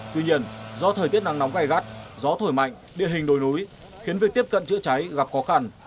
tuy nhiên do thời tiết nắng nóng gai gắt gió thổi mạnh địa hình đồi núi khiến việc tiếp cận chữa cháy gặp khó khăn